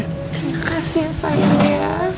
terima kasih ya sayang ya